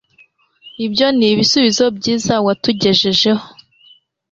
Ibyo nibisubizo byiza watugejejeho